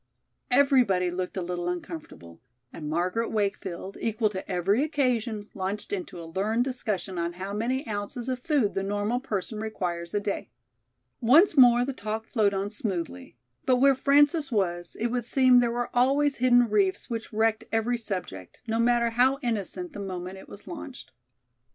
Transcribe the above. Everybody looked a little uncomfortable, and Margaret Wakefield, equal to every occasion, launched into a learned discussion on how many ounces of food the normal person requires a day. Once more the talk flowed on smoothly. But where Frances was, it would seem there were always hidden reefs which wrecked every subject, no matter how innocent, the moment it was launched.